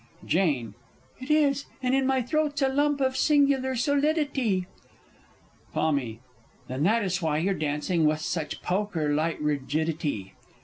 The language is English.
Jane. It is, and in my throat's a lump of singular solidity. Tommy. Then that is why you're dancing with such pokerlike rigidity.